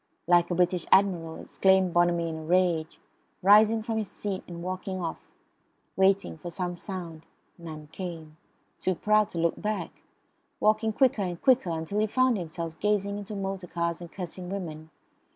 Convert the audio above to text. like a British Admiral, exclaimed Bonamy in a rage, rising from his seat and walking off; waiting for some sound; none came; too proud to look back; walking quicker and quicker until he found himself gazing into motor cars and cursing women.